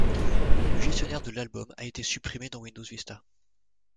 Le Gestionnaire de l'Album a été supprimé dans Windows Vista.